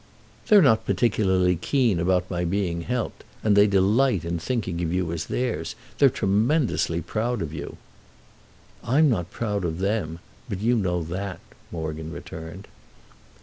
"They're not particularly keen about my being helped, and they delight in thinking of you as theirs. They're tremendously proud of you." "I'm not proud of them. But you know that," Morgan returned.